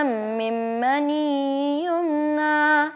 aku mau bekerja